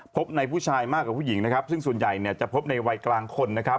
พบในผู้ชายมากกว่าผู้หญิงนะครับซึ่งส่วนใหญ่เนี่ยจะพบในวัยกลางคนนะครับ